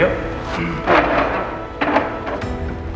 apa yang ada